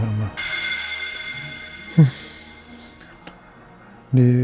saya ingin membuat andin bahagia